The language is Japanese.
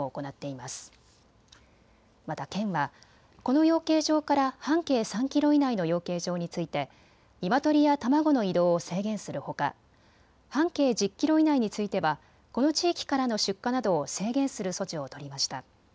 また県はこの養鶏場から半径３キロ以内の養鶏場についてニワトリや卵の移動を制限するほか、半径１０キロ以内についてはこの地域からの出荷などを制限する措置を取りました。